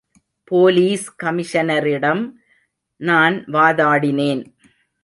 Police கமிஷனரிடம் நான் வாதாடினேன்.